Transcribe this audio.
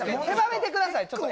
狭めてください